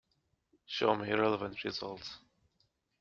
Show me relevant results.